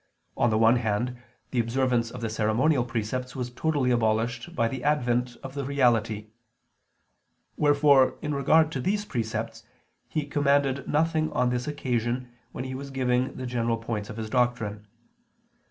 On the other hand, the observance of the ceremonial precepts was totally abolished by the advent of the reality; wherefore in regard to these precepts He commanded nothing on this occasion when He was giving the general points of His doctrine.